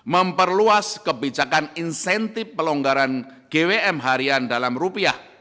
memperluas kebijakan insentif pelonggaran gwm harian dalam rupiah